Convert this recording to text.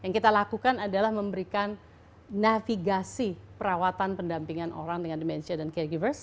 yang kita lakukan adalah memberikan navigasi perawatan pendampingan orang dengan demensia dan caregivers